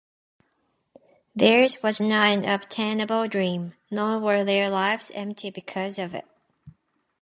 Theirs was not an unobtainable dream; nor were their lives empty because of it.